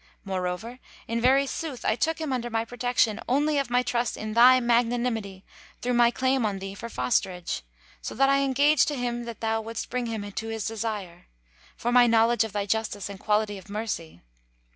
Moreover, in very sooth I took him under my protection only of my trust in thy magnanimity through my claim on thee for fosterage, so that I engaged to him that thou wouldst bring him to his desire, for my knowledge of thy justice and quality of mercy.